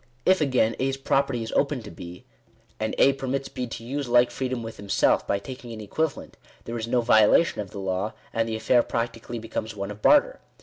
If again, A's property is open to B, and A permits B to use like freedom with himself by taking an equivalent, there is no violation of the law; and the affair practically becomes one of barter.